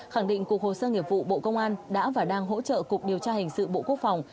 khẳng định cục hồ sơ nghiệp vụ bộ công an đã và đang hỗ trợ cục điều tra hình sự bộ quốc phòng